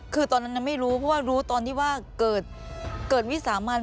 คือตอนนั้นไม่รู้เพราะว่ารู้ตอนที่ว่าเกิดวิสามัน